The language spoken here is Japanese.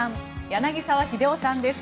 柳澤秀夫さんです。